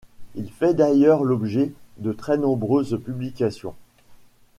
Il fait d'ailleurs l'objet de très nombreuses publications.